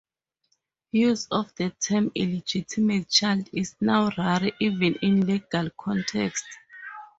Use of the term "illegitimate child" is now rare, even in legal contexts.